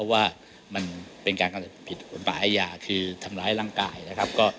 หมายอาญาคือทำร้ายร่างกายนะครับ